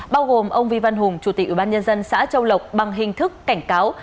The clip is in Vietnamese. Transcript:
bao gồm ông vi văn hùng chủ tịch ubnd xã châu lộc bằng hình thức cảnh cáo